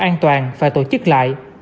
an toàn và tổ chức lại